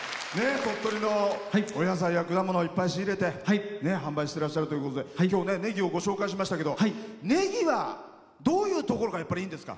鳥取のお野菜や果物をいっぱい仕入れて販売しているということできょう、ネギをご紹介しましたけどネギは、どういうところがいいんですか？